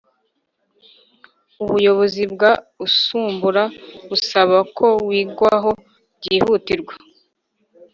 ubuyobozi bwa Usumbura busaba ko wigwaho byihutirwa